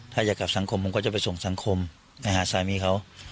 ถ้าอยากกลับสังคมผมก็จะไปส่งสังคมไปหาสามีเขา